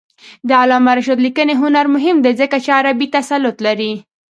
د علامه رشاد لیکنی هنر مهم دی ځکه چې عربي تسلط لري.